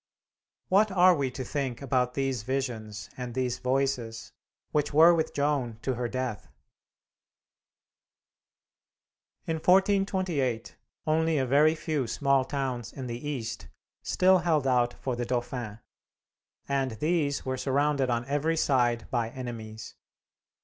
What are we to think about these visions and these Voices which were with Joan to her death? In 1428 only a very few small towns in the east still held out for the Dauphin, and these were surrounded on every side by enemies.